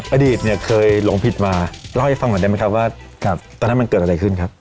อดีตเนี่ยเคยหลงผิดมาเล่าให้ฟังหน่อยได้ไหมครับว่าตอนนั้นมันเกิดอะไรขึ้นครับ